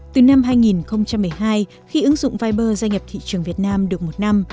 từ năm hai nghìn một mươi hai khi ứng dụng viber gia nhập thị trường việt nam được một năm